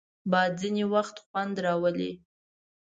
باد ځینې وخت خوند راولي